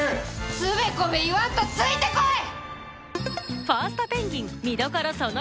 つべこべ言わんとついて来い！